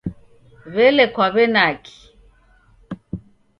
W'ele kwaw'enaki?